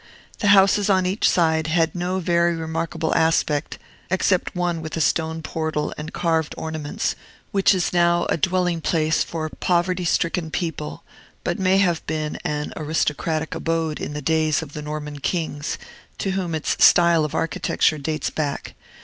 The houses on each side had no very remarkable aspect, except one with a stone portal and carved ornaments, which is now a dwelling place for poverty stricken people, but may have been an aristocratic abode in the days of the Norman kings, to whom its style of architecture dates back.